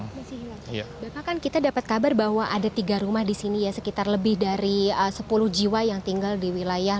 bapak kan kita dapat kabar bahwa ada tiga rumah di sini ya sekitar lebih dari sepuluh jiwa yang tinggal di wilayah